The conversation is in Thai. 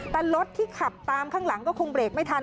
แต่รถที่ขับตามข้างหลังก็คงเบรกไม่ทัน